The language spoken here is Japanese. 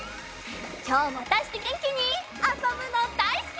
きょうもわたしたちげんきにあそぶのだいすき。